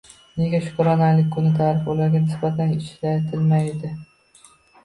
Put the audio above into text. Nega shukronalik kuni taʼrifi ularga nisbatan ishlatilmaydi